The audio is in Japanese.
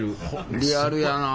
リアルやなあ。